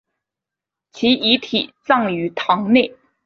其遗体葬于堂内。